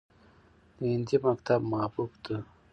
د هندي مکتب محبوب ته